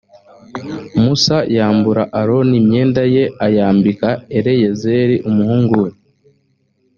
musa yambura aroni imyenda ye ayambika eleyazari umuhungu we.